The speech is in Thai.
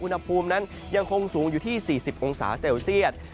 อุณหภูมินั้นยังคงสูงอยู่ที่๔๐องศาเซลเซียต